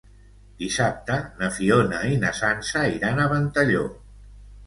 Dissabte na Fiona i na Sança iran a Ventalló.